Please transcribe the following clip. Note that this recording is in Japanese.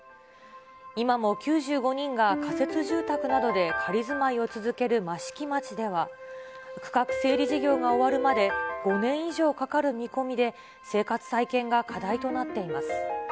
今も９５人が仮設住宅などで仮住まいを続ける益城町では、区画整理事業が終わるまで、５年以上かかる見込みで、生活再建が課題となっています。